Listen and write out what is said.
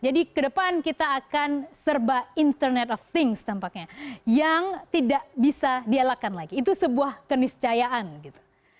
jadi kedepan kita akan serba internet of things tampaknya yang tidak bisa di alakan lagi itu sebuah keniscayaan gitu